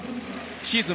シーズン